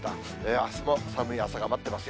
あすも寒い朝が待ってますよ。